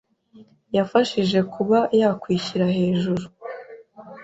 yafashije kuba yakwishyira hejuru: